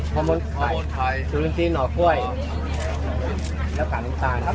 ตัดถูกตัดผลไปแล้วราคาตามต้องร้อย